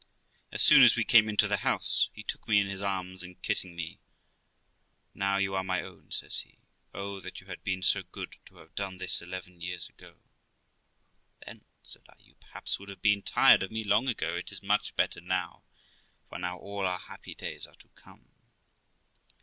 As soon as we came into the house he took me in his arms, and kissing me, ' Now you are my own', says he. 'Oh that you had been so good to have done this eleven years agol' 'Then', said I, 'you, perhaps, would have been tired of me long ago; It is much better now, for now all our happy days are to come.